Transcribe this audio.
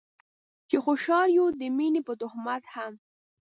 چې خوشحاله يو د مينې په تهمت هم